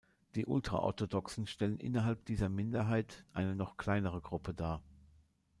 Die Ultraorthodoxen stellen innerhalb dieser Minderheit eine noch kleinere Gruppe dar.